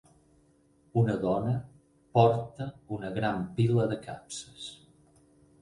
Una dona porta una gran pila de capses.